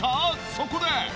そこで。